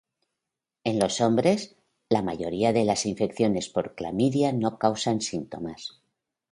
En los hombres, la mayoría de las infecciones por clamidia no causan síntomas.